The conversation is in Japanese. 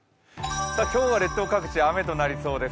今日は列島各地、雨となりそうです。